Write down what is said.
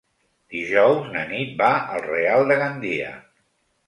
Dijous na Nit va al Real de Gandia.